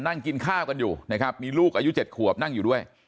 นั่งกินข้าวกันอยู่นะครับมีลูกอายุ๗ขวบนั่งอยู่ด้วย